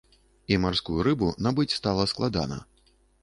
І марскую рыбу набыць стала складана.